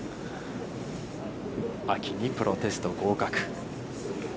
秋にプロテスト合格。